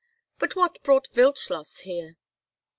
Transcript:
But what brought Wildschloss here?"